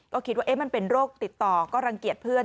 ก็คิดว่ามันเป็นโรคติดต่อก็รังเกียจเพื่อน